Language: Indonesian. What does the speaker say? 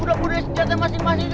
udah punya senjata masing masing